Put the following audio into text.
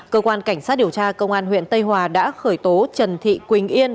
cơ quan cảnh sát điều tra công an huyện tây hòa đã khởi tố trần thị quỳnh yên